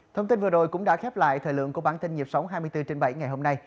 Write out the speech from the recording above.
thông tin vừa rồi cũng đã khép lại thời lượng của bản tin nhịp sống hai mươi bốn trên bảy ngày hôm nay